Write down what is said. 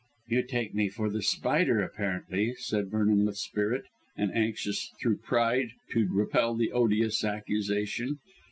"You take me for The Spider, apparently," said Vernon with spirit, and anxious, through pride, to repel the odious accusation.